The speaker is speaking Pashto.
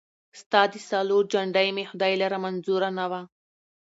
ستا د سالو جنډۍ مي خدای لره منظوره نه وه